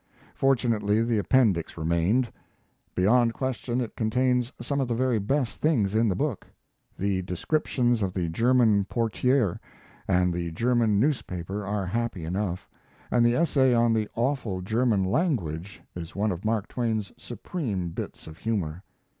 Fortunately the appendix remained. Beyond question it contains some of the very best things in the book. The descriptions of the German Portier and the German newspaper are happy enough, and the essay on the awful German language is one of Mark Twain's supreme bits of humor.